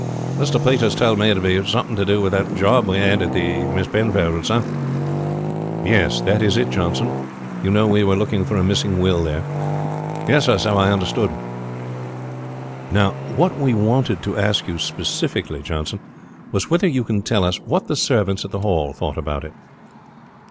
"Mr. Peters told me that it was something to do with that job we had at the Miss Penfolds', sir." "Yes, that is it, Johnson. You know we were looking for a missing will there?" "Yes, sir; so I understood." "Now, what we wanted to ask you specially, Johnson, was whether you can tell us what the servants at the Hall thought about it?"